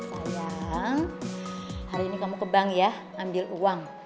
sayang hari ini kamu ke bank ya ambil uang